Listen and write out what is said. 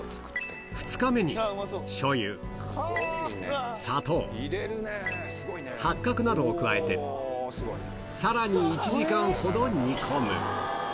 ２日目に、しょうゆ、砂糖、八角などを加えて、さらに１時間ほど煮込む。